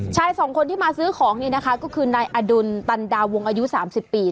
ชายสองคนที่มาซื้อของนี่นะคะก็คือนายอดุลตันดาวงอายุ๓๐ปี